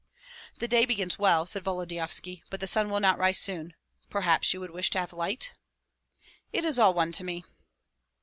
"The day begins well," said Volodyovski, "but the sun will not rise soon. Perhaps you would wish to have light?" "It is all one to me."